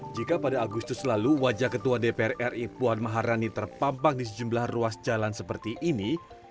jika pada agustus lalu wajah ketua dpr ri puan maharani terpampang di sejumlah ruas jalan seperti ini